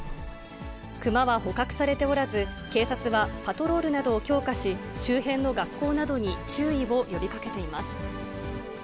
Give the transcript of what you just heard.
クマは捕獲されておらず、警察はパトロールなどを強化し、周辺の学校などに注意を呼びかけています。